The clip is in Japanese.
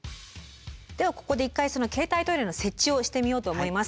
ではここで一回その携帯トイレの設置をしてみようと思います。